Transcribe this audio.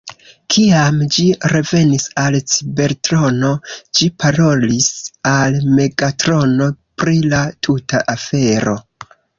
Kiam ĝi revenis al Cibertrono, ĝi parolis al Megatrono pri la tuta afero.